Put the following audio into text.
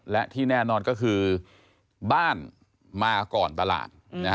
และที่แน่นอนก็คือบ้านมาก่อนตลาด